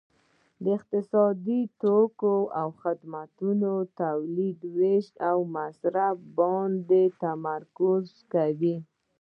اقتصاد د توکو او خدماتو تولید ویش او مصرف باندې تمرکز کوي